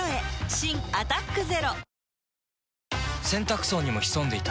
新「アタックＺＥＲＯ」洗濯槽にも潜んでいた。